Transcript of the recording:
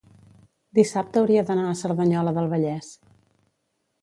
dissabte hauria d'anar a Cerdanyola del Vallès.